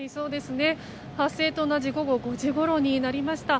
発生と同じ午後５時ごろになりました。